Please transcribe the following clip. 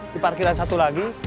di parkiran satu lagi